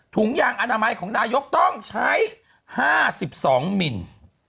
ถุงยางอนามัยของนายกต้องใช้๕๒มิล